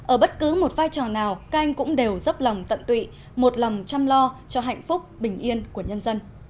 ở bất cứ một vai trò nào các anh cũng đều dốc lòng tận tụy một lòng chăm lo cho hạnh phúc bình yên của nhân dân